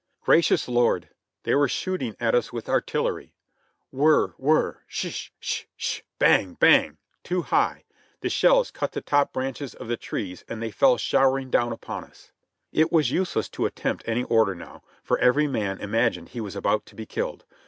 Gracious Lord ! They were shooting at us with artillery ! Whir ! Whir ! Sh !— sh !— sh !— bang !! bang !! Too high ! The shells cut the top branches of the trees and they fell showering down upon us. It was useless to attempt any order now, for every man imag ined he was about to be killed.